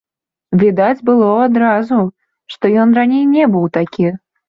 Відаць было адразу, што ён раней не быў такі.